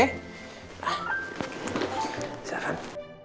tepi bijak holland